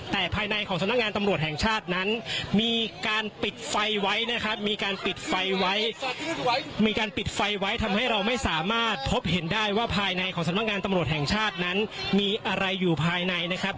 แต่ภายในของสำนักงานตำรวจแห่งชาตินั้นมีการปิดไฟไว้นะครับมีการปิดไฟไว้มีการปิดไฟไว้ทำให้เราไม่สามารถพบเห็นได้ว่าภายในของสำนักงานตำรวจแห่งชาตินั้นมีอะไรอยู่ภายในนะครับ